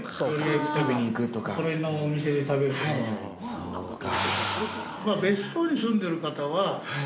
そうか。